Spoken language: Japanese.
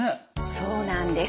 そうなんです。